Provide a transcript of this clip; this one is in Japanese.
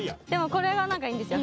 これが何かいいんですよ。